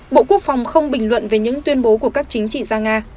bộ quốc phòng không bình luận về những tuyên bố của các chính trị gia nga